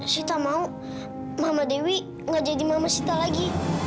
sita mau mama dewi gak jadi mama sita lagi